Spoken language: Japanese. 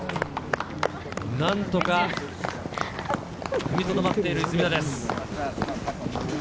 何とか踏みとどまっている出水田です。